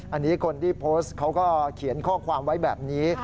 อันนี้คนที่โพสต์เขาก็เขียนข้อความไว้แบบนี้